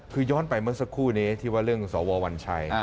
คือย้อนไปเมื่อสักครู่นี้ที่ว่าเรื่องสววัญชัย